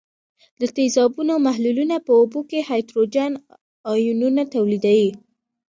د تیزابونو محلولونه په اوبو کې هایدروجن آیونونه تولیدوي.